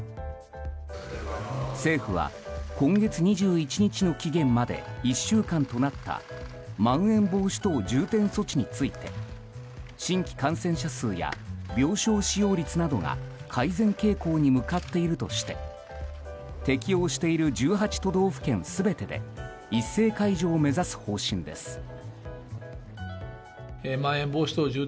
政府は、今月２１日の期限まで１週間となったまん延防止等重点措置について新規感染者数や病床使用率などが改善傾向に向かっているとして適用している１８都道府県全てで一斉解除を目指す方針です。